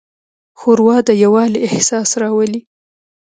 ښوروا د یووالي احساس راولي.